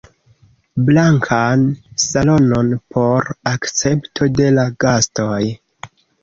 Blankan salonon por akcepto de la gastoj.